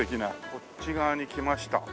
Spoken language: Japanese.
こっち側に来ました。